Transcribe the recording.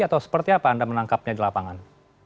atau seperti apa anda menangkapnya di lapangan